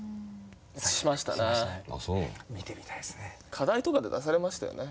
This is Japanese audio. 課題とかで出されましたよね。